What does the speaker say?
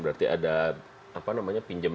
berarti ada pinjem